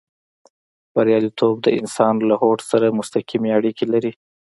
برياليتوب د انسان له هوډ سره مستقيمې اړيکې لري.